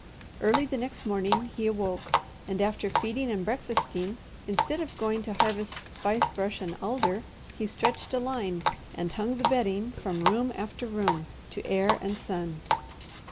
Early the next morning he awoke and after feeding and breakfasting instead of going to harvest spice brush and alder he stretched a line and hung the bedding from room after room to air and sun.